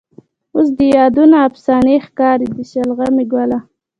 اوس د یادونه افسانې ښکاري. د شلغمې ګله